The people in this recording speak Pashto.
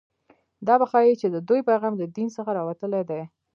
دا به ښيي چې د دوی پیغام له دین څخه راوتلی دی